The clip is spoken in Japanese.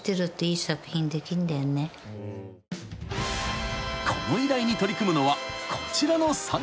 ［この依頼に取り組むのはこちらの３人］